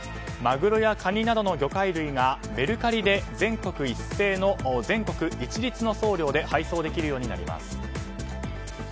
マグロやカニなどの魚介類がメルカリで全国一律の送料で配送できるようになります。